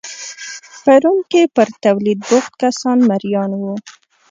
په روم کې پر تولید بوخت کسان مریان وو